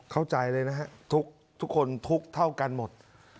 เข้าใจเลยนะฮะทุกคนทุกข์เท่ากันหมด